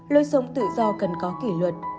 lối sống tự do cần có kỷ luật